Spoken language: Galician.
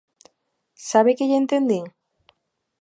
¿Sabe que lle entendín?